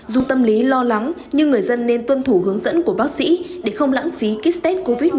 dù tâm lý lo lắng nhưng người dân nên tuân thủ hướng dẫn của bác sĩ để không lãng phí kích tết covid một mươi chín